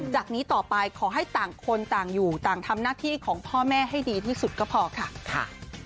จากนี้ต่อไปขอให้ต่างคนต่างอยู่ต่างทำหน้าที่ของพ่อแม่ให้ดีที่สุดก็พอค่ะ